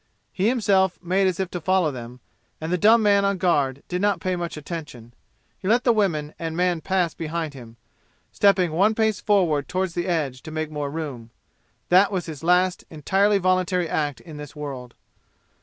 He himself made as if to follow them, and the dumb man on guard did not pay much attention; he let women and man pass behind him, stepping one pace forward toward the edge to make more room. That was his last entirely voluntary act in this world.